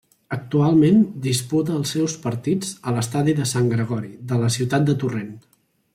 Actualment disputa els seus partits a l'estadi de Sant Gregori de la ciutat de Torrent.